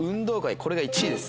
これが１位です。